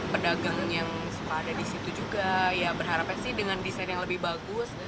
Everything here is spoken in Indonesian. pedagang yang suka ada di situ juga ya berharapnya sih dengan desain yang lebih bagus